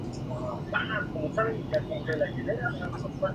La "Prof.